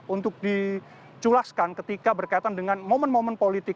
untuk diculaskan ketika berkaitan dengan momen momen politik